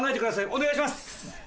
お願いします。